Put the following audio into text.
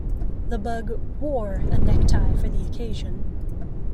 The Bug "wore" a necktie for the occasion.